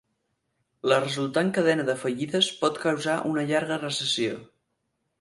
La resultant cadena de fallides pot causar una llarga recessió.